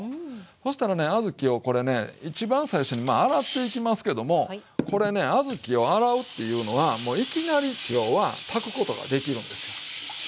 そしたらね小豆をこれね一番最初に洗っていきますけどもこれね小豆を洗うっていうのはもういきなり要は炊くことができるんですよ。